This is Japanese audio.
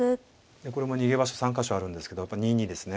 これも逃げ場所３か所あるんですけどやっぱ２二ですね。